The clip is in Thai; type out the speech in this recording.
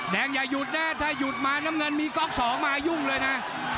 อย่าหยุดนะถ้าหยุดมาน้ำเงินมีก๊อกสองมายุ่งเลยนะ